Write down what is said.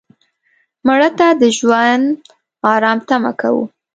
مړه ته د ژوند آرام تمه کوو